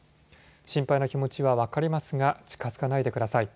心配な気持ちは分かりますが近づかないでください。